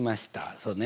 そうね。